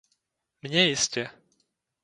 Mně jistě.